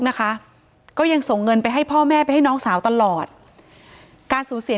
นะคะก็ยังส่งเงินไปให้พ่อแม่ไปให้น้องสาวตลอดการสูญเสีย